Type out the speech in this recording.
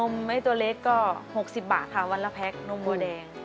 มไม่ตัวเล็กก็๖๐บาทค่ะวันละแพ็กนมบัวแดง